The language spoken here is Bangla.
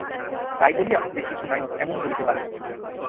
তাই বলিয়া যে কিছু নাই এমন বলিতে পারি না।